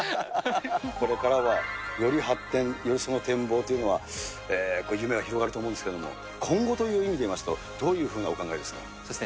これからはより発展、よりその展望というのは、夢が広がると思うんですけども、今後という意味でいいますと、どういうふうなお考えですか？